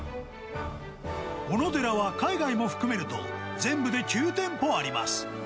おのでらは海外も含めると、全部で９店舗あります。